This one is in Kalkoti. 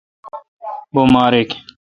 بماریک۔